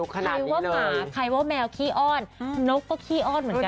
ใครว่าหมาใครว่าแมวขี้อ้อนนกก็ขี้อ้อนเหมือนกัน